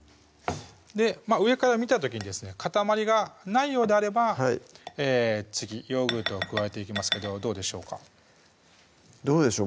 上から見た時にですね塊がないようであれば次ヨーグルトを加えていきますけどどうでしょうかどうでしょう？